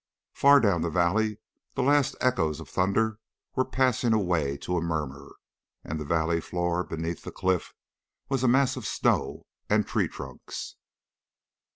Far down the valley the last echoes of thunder were passing away to a murmur, and the valley floor, beneath the cliff, was a mass of snow and tree trunks.